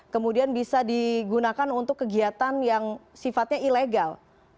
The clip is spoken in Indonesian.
kemudian bisa digunakan untuk kegiatan yang sifatnya ilegal